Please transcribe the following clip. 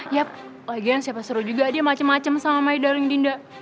yap lagian siapa suruh juga dia macem macem sama main darling dinda